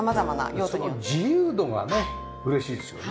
その自由度がね嬉しいですよね。